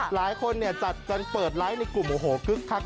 หลายคนจัดกันเปิดไลค์ในกลุ่มโอ้โหคึกคัก